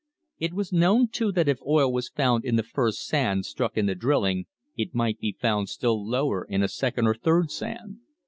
It was known, too, that if oil was found in the first sand struck in the drilling, it might be found still lower in a second or third sand.